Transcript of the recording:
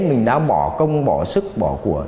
mình đã bỏ công bỏ sức bỏ của